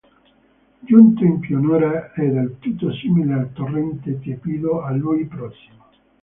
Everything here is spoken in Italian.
Giunto in pianura è del tutto simile al torrente Tiepido a lui prossimo.